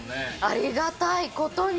ありがたいことに。